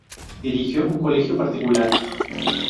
Dirigió un colegio particular.